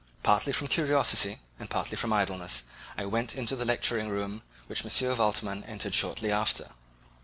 Partly from curiosity and partly from idleness, I went into the lecturing room, which M. Waldman entered shortly after.